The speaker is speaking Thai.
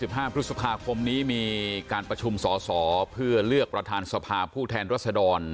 ห้าพฤษภาคมนี้มีการประชุมสอสอเพื่อเลือกประธานสภาผู้แทนรัศดร